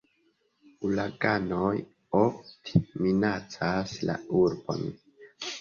Uraganoj ofte minacas la urbon.